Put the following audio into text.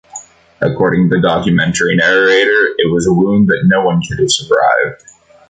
According to the documentary narrator, It was a wound no one could have survived.